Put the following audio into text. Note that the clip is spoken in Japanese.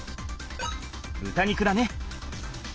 豚肉だね。